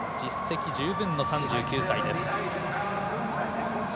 実績十分の３９歳です。